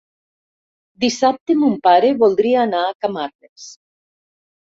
Dissabte mon pare voldria anar a Camarles.